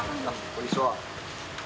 こんにちは。